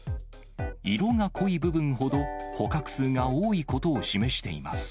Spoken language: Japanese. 色が濃い部分ほど、捕獲数が多いことを示しています。